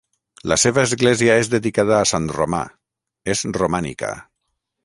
La seva església és dedicada a sant Romà; és romànica.